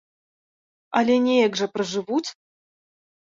Але неяк жа пражывуць!